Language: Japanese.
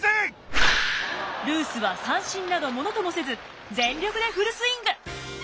ルースは三振など物ともせず全力でフルスイング！